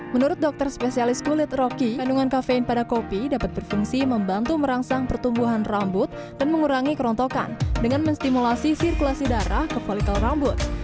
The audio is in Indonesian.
menurut dokter spesialis kulit rocky kandungan kafein pada kopi dapat berfungsi membantu merangsang pertumbuhan rambut dan mengurangi kerontokan dengan menstimulasi sirkulasi darah ke volikel rambut